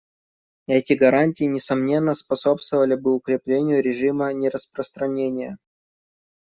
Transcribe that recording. Эти гарантии, несомненно, способствовали бы укреплению режима нераспространения.